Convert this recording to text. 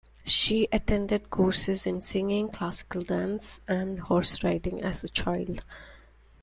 She attended courses in singing, classical dance, and horse-riding as a child.